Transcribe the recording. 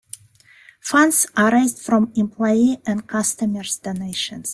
Funds are raised from employee and customer donations.